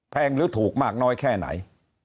หรือถูกมากน้อยแค่ไหน